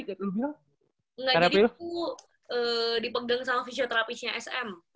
enggak jadi aku dipegang sama fisioterapisnya sm